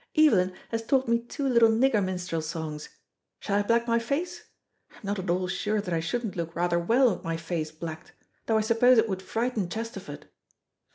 Evelyn has taught me two little nigger minstrel songs. Shall I black my face? I'm not at all sure that I shouldn't look rather well with my face blacked, though I suppose it would frighten Chesterford.